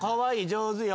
上手よ。